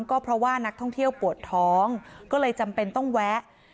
ก็เพราะว่านักท่องเที่ยวปวดท้องก็เลยจำเป็นต้องแวะ